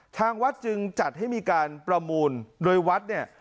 ทางวัดจึงจัดให้มีการประมูลโดยวัดเนี่ย